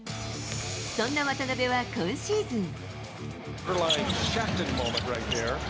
そんな渡邊は今シーズン。